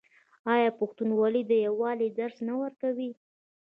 آیا پښتونولي د یووالي درس نه ورکوي؟